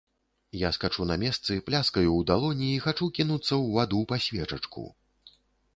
Я скачу на месцы, пляскаю ў далоні і хачу кінуцца ў ваду па свечачку.